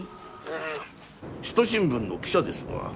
えぇ「首都新聞」の記者ですわ。